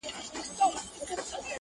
ګڼي خوږو خوږو يارانو بۀ مې خپه وهله.